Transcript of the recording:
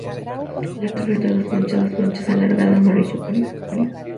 La cabeza presenta dos manchas alargadas de color amarillo pálido.